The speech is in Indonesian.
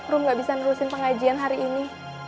rum gak bisa nerusin pengajian hari ini